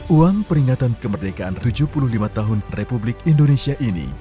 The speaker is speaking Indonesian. uang peringatan kemerdekaan tujuh puluh lima tahun republik indonesia ini